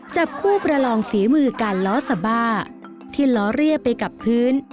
จับคู่ประลองฝีมือการล้อสบ้าที่ล้อเรียบไปกับพื้น